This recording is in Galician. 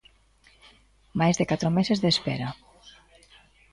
Máis de catro meses de espera.